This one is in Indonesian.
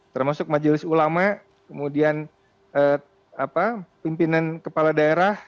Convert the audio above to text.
termasuk majelis ulama kemudian pimpinan kepala daerah